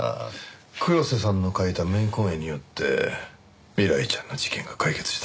黒瀬さんの描いた冥婚絵によって未来ちゃんの事件が解決した。